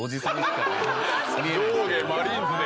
上下マリーンズで。